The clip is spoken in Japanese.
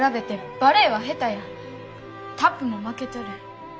タップも負けとる。